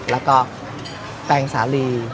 แล้วก็แปลงสาลี